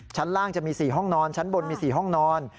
ชั้นล่างจะมี๔ห้องนอนชั้นบนมี๔ห้องนอน